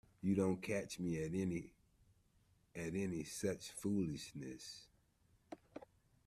You don't catch me at any such foolishness.